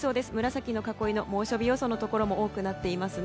紫の囲いの猛暑日予想も多くなっています。